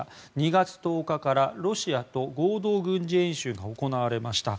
２月１０日からロシアと合同軍事演習が行われました。